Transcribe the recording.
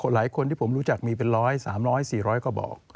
หลายคนที่ผมรู้จักมีเป็น๑๐๐๓๐๐๔๐๐กระบอก